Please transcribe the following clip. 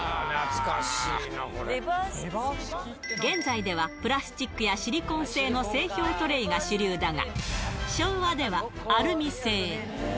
現在ではプラスチックやシリコーン製の製氷トレイが主流だが、昭和ではアルミ製。